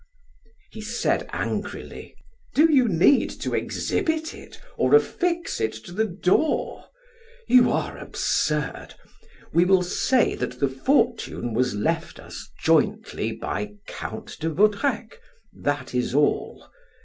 He said angrily: "Do you need to exhibit it, or affix it to the door? You are absurd! We will say that the fortune was left us jointly by Count de Vaudrec. That is all.